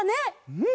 うん！